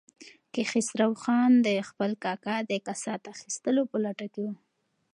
کیخسرو خان د خپل کاکا د کسات اخیستلو په لټه کې و.